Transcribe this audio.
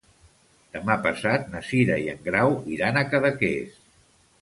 Demà passat na Cira i en Grau iran a Cadaqués.